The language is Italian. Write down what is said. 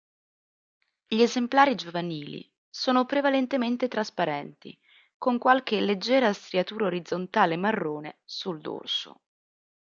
Gli esemplari giovanili sono prevalentemente trasparenti, con qualche leggera striatura orizzontale marrone sul dorso.